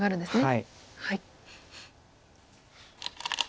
はい。